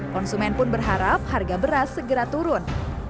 konsumen pun berharap harga beras segera turun